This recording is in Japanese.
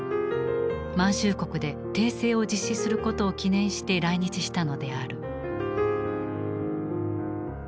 満州国で帝政を実施することを記念して来日したのである。